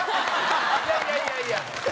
いやいやいやいや。